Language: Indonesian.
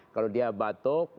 kalau dia batuk